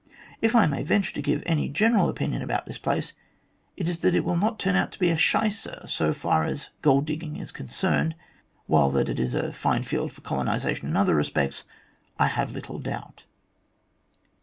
If I may venture to give any general opinion about this place, it is that it will not turn out a * Shicer ' so far as gold digging is concerned, while that it is a fine field for colonisation in other respects I have little doubt."